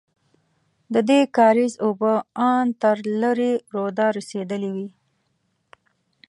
ددې کارېز اوبه ان تر لېرې روده رسېدلې وې.